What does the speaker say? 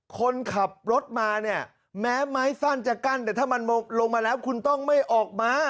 คนขับรถมาเนี่ยแม้ไม้สั้นจะกั้นแต่ถ้ามันลงมาแล้วคุณต้องไม่ออกมา